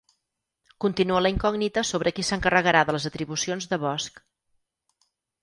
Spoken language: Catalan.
Continua la incògnita sobre qui s'encarregarà de les atribucions de Bosch